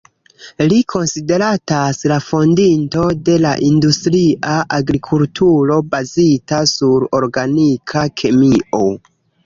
Li konsideratas la fondinto de la industria agrikulturo, bazita sur organika kemio.